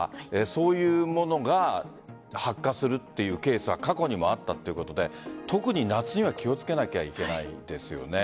そういうものが発火するというケースが過去にもあったということで特に夏には気を付けなければいけないですよね。